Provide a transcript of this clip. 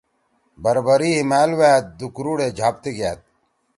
بھر بھری ہیمال ویأت دو کُروڑے جھاپتے گیأت؟۔